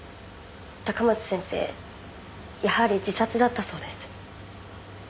高松先生やはり自殺だったそうです。